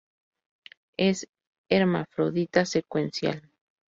Es hermafrodita secuencial.